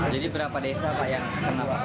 jadi berapa desa pak yang kena